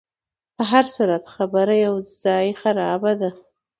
په هرصورت خبره یو ځای خرابه ده.